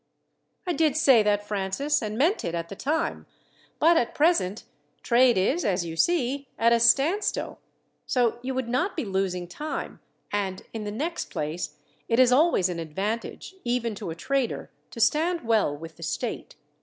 "I did say that, Francis, and meant it at the time; but at present trade is, as you see, at a standstill, so you would not be losing time, and, in the next place, it is always an advantage, even to a trader, to stand well with the state.